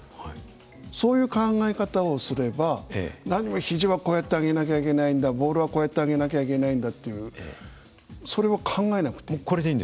そういう考え方をすればなにもひじはこうやって上げなきゃいけないんだボールはこうやって上げなきゃいけないんだっていうそれを考えてなくていい。